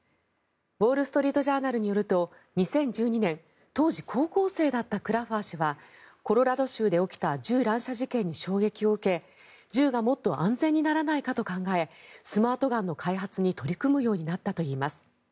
ウォール・ストリート・ジャーナルによると、２０１２年当時、高校生だったクラファー氏はコロラド州で起きた銃乱射事件に衝撃を受け銃がもっと安全にならないかと考えスマートガンの開発に取り組むようになったといいます。